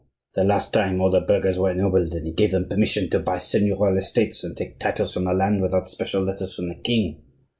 The last time, all the burghers were ennobled, and he gave them permission to buy seignorial estates and take titles from the land without special letters from the king.